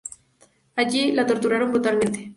Allí, la torturaron brutalmente.